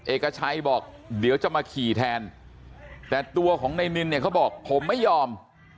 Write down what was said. เอกชัยบอกเดี๋ยวจะมาขี่แทนแต่ตัวของในนินเนี่ยเขาบอกผมไม่ยอม